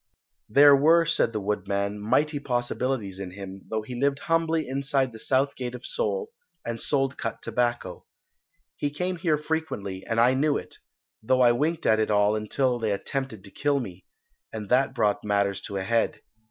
"There were," said the woodman, "mighty possibilities in him, though he lived humbly inside the South Gate of Seoul and sold cut tobacco. He came here frequently, and I knew it, though I winked at it all until they attempted to kill me, and that brought matters to a head.